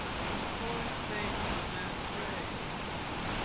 The boy's name was Andrea.